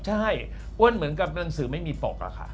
ใช่อ้วนเหมือนกับหนังสือไม่มีตกอะค่ะ